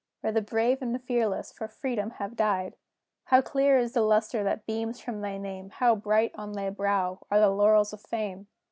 Where the brave and the fearless for Freedom have died, How clear is the lustre that beams from thy name! How bright on thy brow are the laurels of fame!